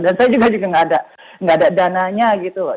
dan saya juga tidak ada tidak ada dananya gitu loh